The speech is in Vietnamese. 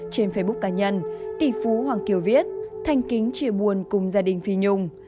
trên facebook cá nhân tỷ phú hoàng kiều viết thanh kính chia buồn cùng gia đình phi nhung